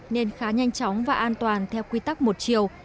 nên khá nhanh chóng và an toàn theo quy tắc một chiều